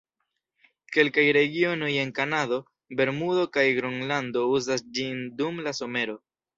Kelkaj regionoj en Kanado, Bermudo kaj Gronlando uzas ĝin dum la somero.